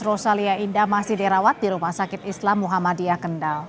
rosalia indah masih dirawat di rumah sakit islam muhammadiyah kendal